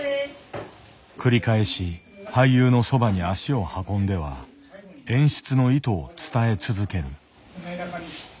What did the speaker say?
繰り返し俳優のそばに足を運んでは演出の意図を伝え続ける。